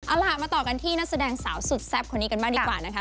เอาล่ะมาต่อกันที่นักแสดงสาวสุดแซ่บคนนี้กันบ้างดีกว่านะคะ